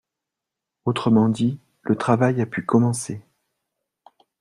Autrement dit, le travail a pu commencer.